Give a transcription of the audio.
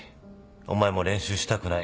お前も練習したくない。